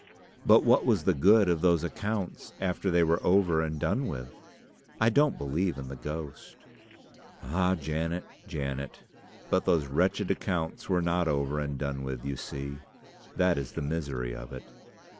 But what was the good of those accounts after they were over and done with? I don't believe in the ghost." "Ah, Janet, Janet! but those wretched accounts were not over and done with, you see. That is the misery of it."